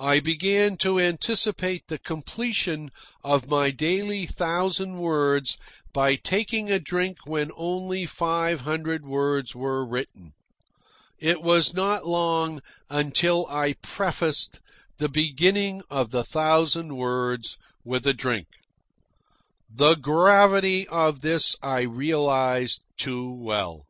I began to anticipate the completion of my daily thousand words by taking a drink when only five hundred words were written. It was not long until I prefaced the beginning of the thousand words with a drink. The gravity of this I realised too well.